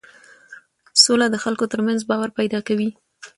سوله د خلکو ترمنځ باور پیدا کوي